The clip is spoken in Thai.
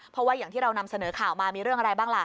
เพราะว่าอย่างที่เรานำเสนอข่าวมามีเรื่องอะไรบ้างล่ะ